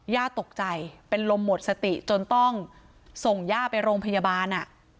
ย่าตกใจเป็นลมหมดสติจนต้องส่งย่าไปโรงพยาบาล